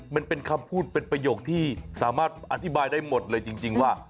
มันเป็นคำพูดเป็นประโยคที่สามารถอธิบายได้หมดเลยจริงว่า